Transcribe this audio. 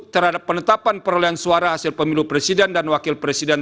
terhadap penetapan perolehan suara hasil pemilu presiden dan wakil presiden